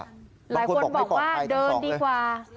หลายคนบอกว่าเดินดีกว่า